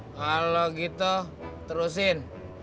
kalau gitu terusin